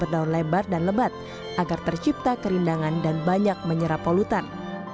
daun lebar dan lebat agar tercipta kerindangan dan banyak menyerap polutan